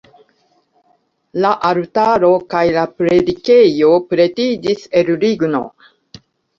La altaro kaj la predikejo pretiĝis el ligno.